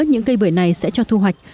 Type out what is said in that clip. tất cả những cây bưởi này sẽ cho thu hoạch